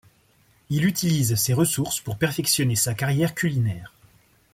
Il utilise ses ressources pour perfectionner sa carrière culinaire.